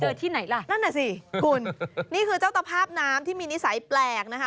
ที่ไหนล่ะนั่นน่ะสิคุณนี่คือเจ้าตภาพน้ำที่มีนิสัยแปลกนะคะ